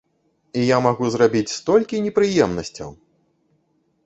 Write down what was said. І я магу зрабіць столькі непрыемнасцяў!